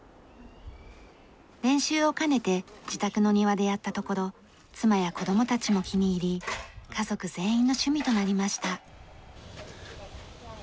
練習を兼ねて自宅の庭でやったところ妻や子供たちも気に入り家族全員の趣味となりました。